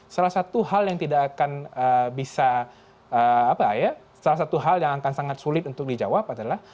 salah satu hal yang tidak akan bisa apa ya salah satu hal yang akan sangat sulit untuk dijawab adalah